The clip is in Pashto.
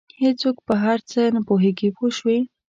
هېڅوک په هر څه نه پوهېږي پوه شوې!.